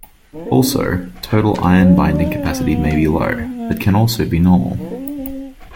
Also, total iron binding capacity may be low, but can also be normal.